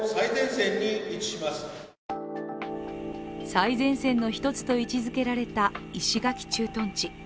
最前線の一つと位置づけられた石垣駐屯地。